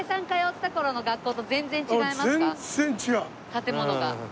建物が。